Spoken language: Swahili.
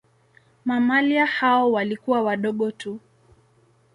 Mamalia hao walikuwa wadogo tu.